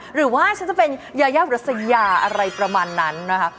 หรือว่าฉันจะเป็นยายาอุรัสยาอะไรประมาณนั้นนะคะ